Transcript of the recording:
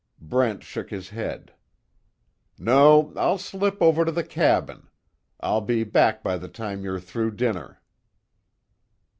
Brent shook his head, "No, I'll slip over to the cabin. I'll be back by the time you're through dinner."